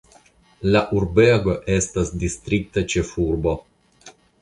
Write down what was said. La urbego estas distrikta ĉefurbo.